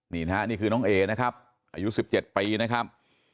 นี่นะฮะนี่คือน้องเอนะครับอายุ๑๗ปีนะครับ